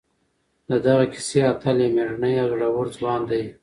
د دغې کیسې اتل یو مېړنی او زړور ځوان دی.